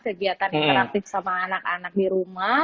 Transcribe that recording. kegiatan yang kreatif sama anak anak di rumah